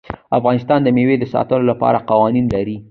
افغانستان د مېوې د ساتنې لپاره قوانین لري.